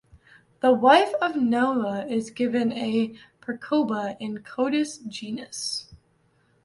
The wife of Noah is given as Percoba in "Codex Junius".